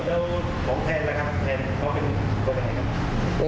ครับ